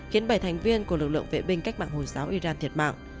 khiến bảy thành viên của lực lượng vệ binh cách mạng hồi giáo iran thiệt mạng